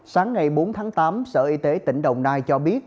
sáng ngày bốn tháng tám sở y tế tỉnh đồng nai cho biết